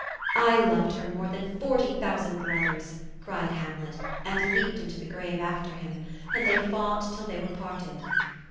"I loved her more than forty thousand brothers," cried Hamlet^ and leaped into the grave after him, and they fought till they were parted.